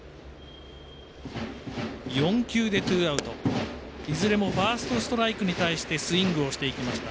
４球でツーアウトいずれもファーストストライクに対してスイングをしていきました。